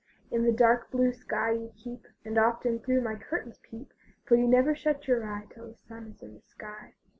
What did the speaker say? In the dark blue sky you keep, And often through my curtains peep; For you never shut your eye Till the sun is in the sky.